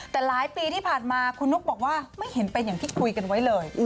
แต่หลายปีที่ผ่านมาคุณนุ๊กบอกว่าไม่เห็นเป็นอย่างที่คุยกันไว้เลย